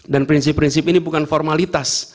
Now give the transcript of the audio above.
dan prinsip prinsip ini bukan formalitas